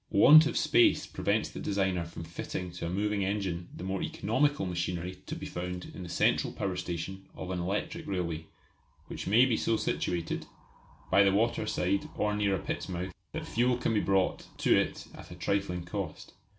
Want of space prevents the designer from fitting to a moving engine the more economical machinery to be found in the central power station of an electric railway, which may be so situated by the water side or near a pit's mouth that fuel can be brought to it at a trifling cost.